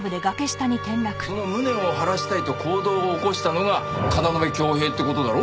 その無念を晴らしたいと行動を起こしたのが京匡平って事だろ？